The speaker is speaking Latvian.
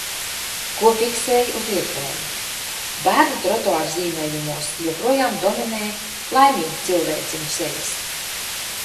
Ko fiksēju uz ietvēm. Bērnu trotuārzīmējumos joprojām dominē laimīgu cilvēciņu sejas.